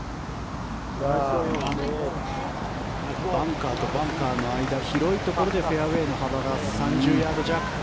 バンカーとバンカーの間広いところでフェアウェーの幅が３０ヤード弱。